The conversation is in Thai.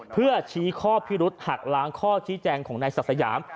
เพื่อชี้ข้อพิรุษหักล้างข้อชี้แจงของนายศักดิ์สยาม